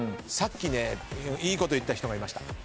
さっきねいいこと言った人がいました。